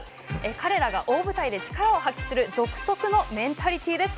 彼らが大舞台で力を発揮する独特のメンタリティーです。